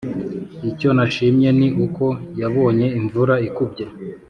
icyo nashimye ni uko yabonye imvura ikubye,